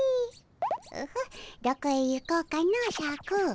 オホッどこへ行こうかのシャク。